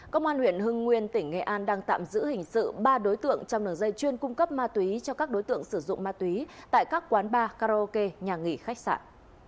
công an huyện hưng nguyên tỉnh nghệ an đang tạm giữ hình sự ba đối tượng trong đường dây chuyên cung cấp ma túy cho các đối tượng sử dụng ma túy tại các quán bar karaoke nhà nghỉ khách sạn